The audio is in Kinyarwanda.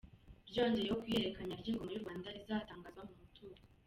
Ryongeyeho ko "ihererekanya ry'ingoma y'u Rwanda" rizatangazwa mu mutuzo.